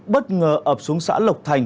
bất ngờ ập xuống xã lộc thành